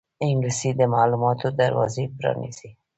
انګلیسي د معلوماتو دروازې پرانیزي